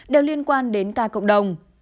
đều liên quan đến ca cộng đồng